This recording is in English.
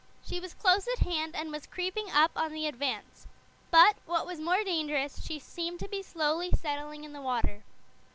She was close at hand and was creeping up on the Advance. But, what was more dangerous, she seemed to be slowly settling in the water.